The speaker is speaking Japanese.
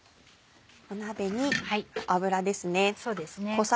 鍋に油ですね。